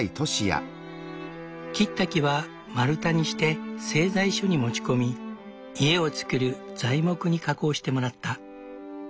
切った木は丸太にして製材所に持ち込み家をつくる材木に加工してもらった。